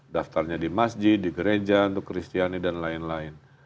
daftarnya di masjid di gereja untuk kristiani dan lain lain